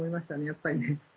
やっぱりね。